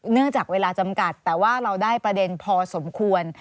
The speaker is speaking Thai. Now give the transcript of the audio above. เนื่องจากเวลาจำกัดแต่ว่าเราได้ประเด็นพอสมควร